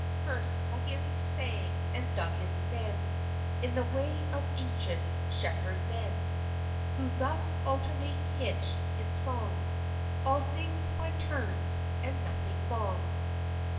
First Huggins sang, and Duggins then, In the way of ancient shepherd men; Who thus alternate hitched in song, "All things by turns, and nothing long."